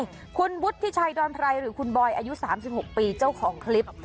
คุณวุฒิชัยดอนไพรหรือคุณบอยอายุ๓๖ปีเจ้าของคลิป